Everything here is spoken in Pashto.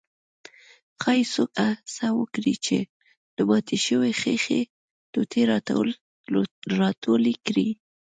ښايي څوک هڅه وکړي چې د ماتې شوې ښيښې ټوټې راټولې کړي.